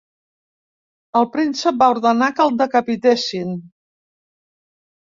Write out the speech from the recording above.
El príncep va ordenar que el decapitessin.